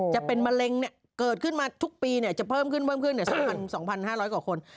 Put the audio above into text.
จะเป็นมะเร็งเกิดขึ้นมาทุกปีจะเพิ่มขึ้น๒๕๐๐กว่าคน